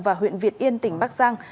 và huyện việt yên tỉnh bắc giang